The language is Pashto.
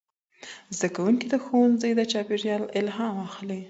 زدهکوونکي د ښوونځي د چاپېرياله الهام اخلي.